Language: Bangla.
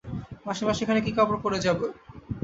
মাসিমা, সেখানে কী কাপড় পরে যাব।